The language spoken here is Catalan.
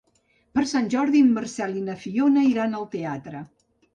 Per Sant Jordi en Marcel i na Fiona iran al teatre.